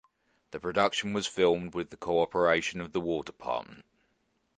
The production was filmed with the cooperation of the War Department.